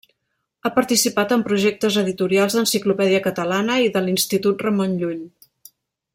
Ha participat en projectes editorials d’Enciclopèdia Catalana i de l’Institut Ramon Llull.